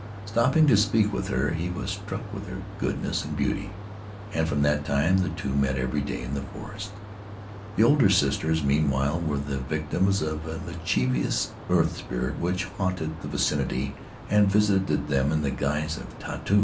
Stopping to speak with her, he was struck with her goodness and beauty, and from that time the two met every day in the forest. The older sisters, meanwhile, were the victims of a mischievous earth spirit which haunted the vicinity and visited them in the guise of Tautu.